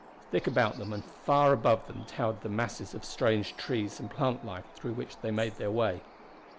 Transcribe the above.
Thick about them and far above them towered the masses of strange trees and plant life through which they made their way.